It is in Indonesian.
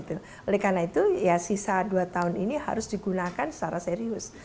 oleh karena itu ya sisa dua tahun ini harus digunakan secara serius